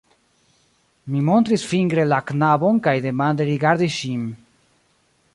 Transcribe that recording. Mi montris fingre la knabon kaj demande rigardis ŝin.